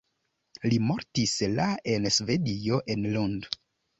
Li mortis la en Svedio en Lund.